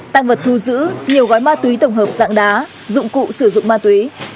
tăng vật thu giữ nhiều gói ma túy tổng hợp dạng đá dụng cụ sử dụng ma túy